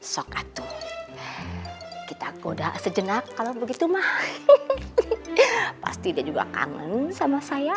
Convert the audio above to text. sokatu kita goda sejenak kalau begitu mah pasti dia juga kangen sama saya